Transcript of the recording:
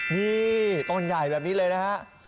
นี่ต้นใหญ่แบบนี้เลยนะฮะ